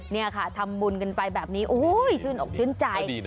นี่ค่ะทำบุญกันไปแบบนี้โอ้ยชื่นอกชื่นใจ